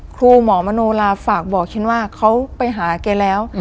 ครูหมอมโนลาฝากบอกฉันว่าเขาไปหาแกแล้ว